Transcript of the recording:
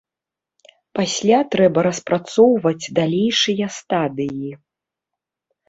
Пасля трэба распрацоўваць далейшыя стадыі.